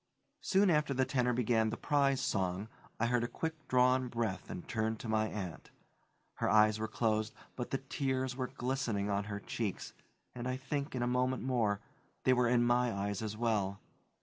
Soon after the tenor began the "Prize Song," I heard a quick drawn breath and turned to my aunt. Her eyes were closed, but the tears were glistening on her cheeks, and I think, in a moment more, they were in my eyes as well.